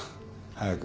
早く。